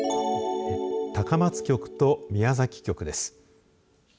高松局と宮崎局です。